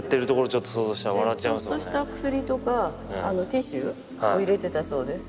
ちょっとした薬とかティッシュを入れてたそうです。